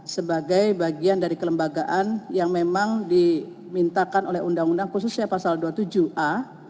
sebagai bagian dari kelembagaan yang memang dimintakan oleh undang undang khususnya pasal dua puluh tujuh a